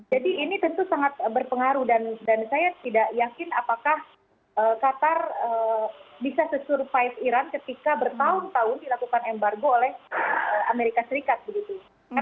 jadi ini tentu sangat berpengaruh dan saya tidak yakin apakah qatar bisa sesurvive iran ketika bertahun tahun dilakukan embargo oleh amerika serikat begitu